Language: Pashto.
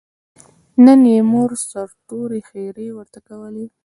نن یې مور سرتور ښېرې ورته کولې.